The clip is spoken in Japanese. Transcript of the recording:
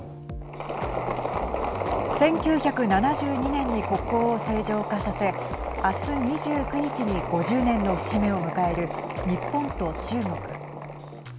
１９７２年に国交を正常化させ明日、２９日に５０年の節目を迎える日本と中国。